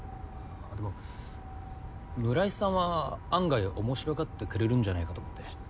でも村井さんは案外面白がってくれるんじゃないかと思って。